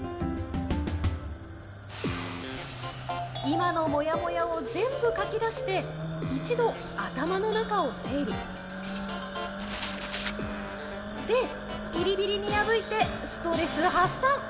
今のもやもやを全部書き出して一度頭の中を整理。でビリビリに破いてストレス発散！